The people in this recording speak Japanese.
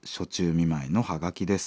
見舞いのはがきです。